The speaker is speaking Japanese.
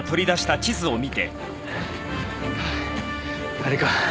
あれか。